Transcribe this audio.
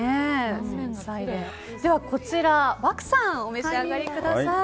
こちらを漠さん、お召し上がりください。